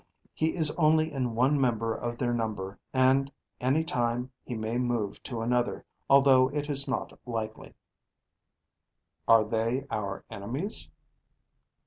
He is only in one member of their number, and any time he may move to another, although it is not likely." "Are they our enemies?"